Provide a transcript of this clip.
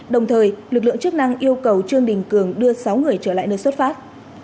đồng thời lực lượng chức năng yêu cầu trương đình cường đưa sáu người trở lại nơi xuất phát